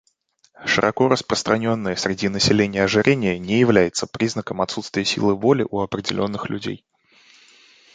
Широко распространенное среди населения ожирение не является признаком отсутствия силы воли у определенных людей.